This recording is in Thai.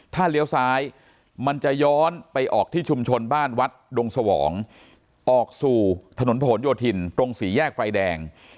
ถ้าเลี้ยวซ้ายมันจะย้อนไปออกที่ชุมชนบ้านวัดดงสวองออกสู่ถนนผนโยธินตรงสี่แยกไฟแดง